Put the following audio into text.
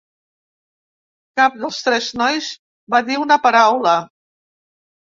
Cap dels tres nois va dir una paraula.